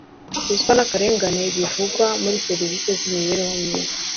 ruswa n’akarengane bivugwa muri servisi z’imibereho myiza